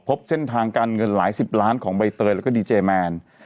พบเส้นทางการเงินหลายสิบล้านของใบเตยแล้วก็ดีเจแมน